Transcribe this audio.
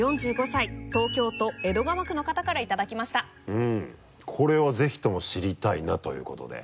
うんこれはぜひとも知りたいなということで。